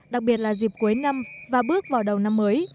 đặc biệt là dịp cuối năm và bước vào đầu năm mới